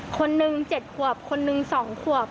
คนหนึ่ง๗ขวบคนนึง๒ขวบ